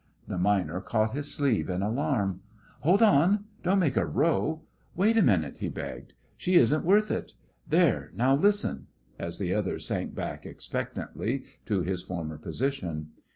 The miner caught his sleeve in alarm. "Hold on, don't make a row! Wait a minute!" he begged; "she isn't worth it! There, now listen," as the other sank back expectantly to his former position.